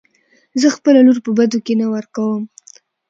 زه خپله لور په بدو کې نه ورکم .